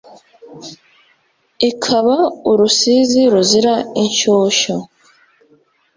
ikaba urusizi ruzira inshushyu !